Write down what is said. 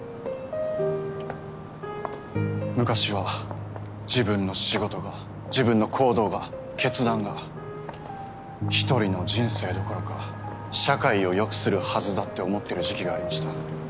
昔は自分の仕事が自分の行動が決断が１人の人生どころか社会を良くするはずだって思ってる時期がありました。